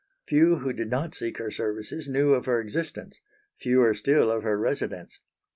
Few who did not seek her services knew of her existence, fewer still of her residence.